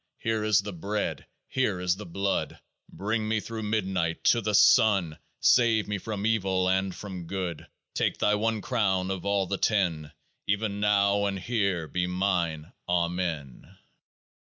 Here is the Bread ; here is the Blood. Bring me through midnight to the Sun ! Save me from Evil and from Good ! That Thy one crown of all the Ten. Even now and here be mine. AMEN.